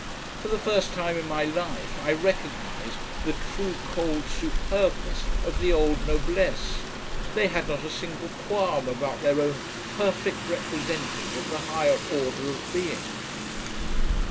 For the first time in my life I recognized the true cold superbness of the old "noblesse". They had not a single qualm about their own perfect representing of the higher order of being.